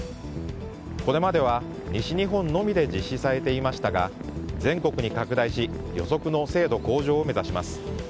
これまでは西日本のみで実施されていましたが全国に拡大し予測の精度向上を目指します。